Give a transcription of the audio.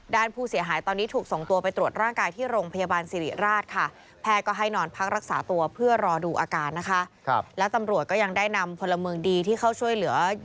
ด้านผู้เสียหายตอนนี้ถูกส่งตัวไปตรวจร่างกายที่โรงพยาบาลสิริราชค่ะ